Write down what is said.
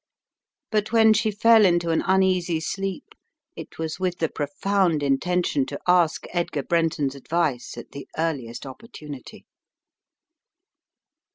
But when she fell into an uneasy sleep, it was with the profound inten tion to ask Edgar Brenton's advice at the earliest opportunity.